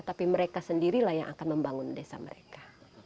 tapi mereka sendirilah yang akan membangun desa mereka